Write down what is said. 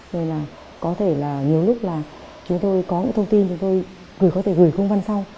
rồi là có thể là nhiều lúc là chúng tôi có những thông tin chúng tôi gửi có thể gửi công văn sau